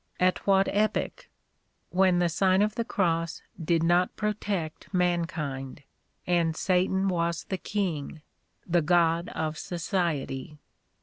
At what epoch? Wherr the Sign of the Cross did not protect mankind, and Satan was the king, the god of society.